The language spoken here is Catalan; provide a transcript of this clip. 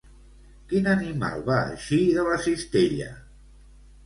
Quin animal va eixir de la cistella?